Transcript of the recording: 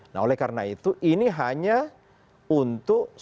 nah oleh karena itu ini hanya untuk saudara saudara kita yang diperhatikan